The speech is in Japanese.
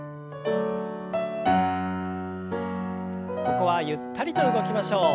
ここはゆったりと動きましょう。